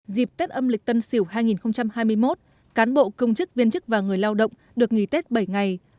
dịp tết âm lịch tân sửu hai nghìn hai mươi một cán bộ công chức viên chức và người lao động được nghỉ tết bảy ngày